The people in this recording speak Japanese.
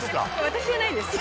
私じゃないです